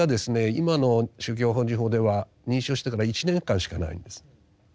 今の宗教法人法では認証してから１年間しかないんです。